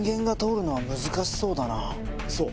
そう！